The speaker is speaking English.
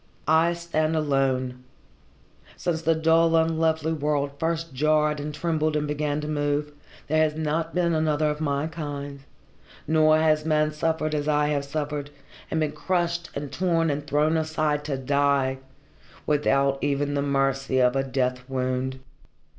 I stand alone. Since the dull, unlovely world first jarred and trembled and began to move, there has not been another of my kind, nor has man suffered as I have suffered, and been crushed and torn and thrown aside to die, without even the mercy of a death wound.